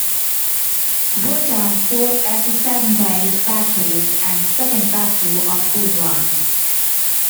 Berdan fought at the Seven Days Battles and Second Battle of Bull Run.